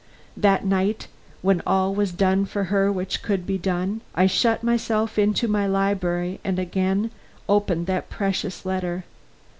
That night, when all was done for her which could be done, I shut myself into my library and again opened that precious letter.